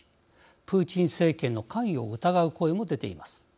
プーチン政権の関与を疑う声も出ています。